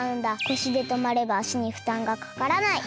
腰でとまればあしにふたんがかからない。